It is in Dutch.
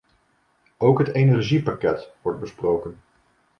Ook het energiepakket wordt besproken.